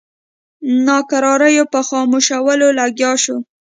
ناکراریو په خاموشولو لګیا شو.